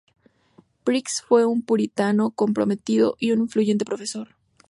Briggs fue un puritano comprometido y un influyente profesor.